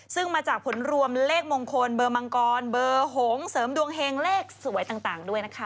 ซึ่งมาจากผลรวมเลขมงคลเบอร์มังกรเบอร์หงเสริมดวงเฮงเลขสวยต่างด้วยนะคะ